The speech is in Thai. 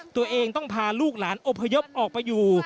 ตัวเองต้องพาลูกหลานอบพยพออกไปอยู่